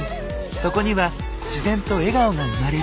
そこには自然と笑顔が生まれる。